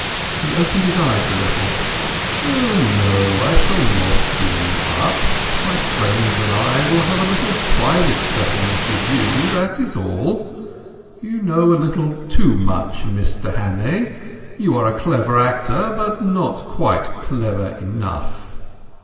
He opened his eyes a little. "Oh no, I shall not give you up. My friends and I will have a little private settlement with you, that is all. You know a little too much, Mr Hannay. You are a clever actor, but not quite clever enough."